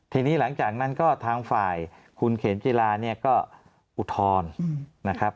ทีนี้หลังจากนั้นก็ทางฝ่ายคุณเข็มเจราก็อุทธรณ์